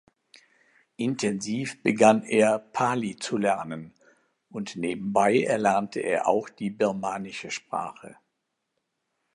Intensiv begann er Pali zu lernen, und nebenbei erlernte er auch die birmanische Sprache.